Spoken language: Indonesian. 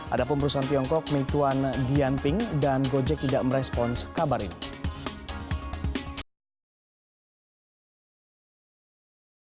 ada pemerusahaan tiongkok meituan dianping dan gojek tidak merespons kabar ini